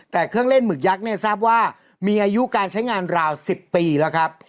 แต่เครื่องเล่นหมึกยักษ์เนี่ยทราบว่ามีอายุการใช้งานราว๑๐ปีแล้วครับ